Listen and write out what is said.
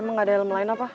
emang gak ada ilmu lain apa